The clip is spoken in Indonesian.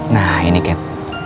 nah ini ket